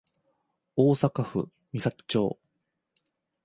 大阪府岬町